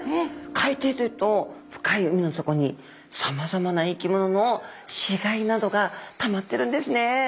海底というと深い海の底にさまざまな生き物の死骸などがたまってるんですね。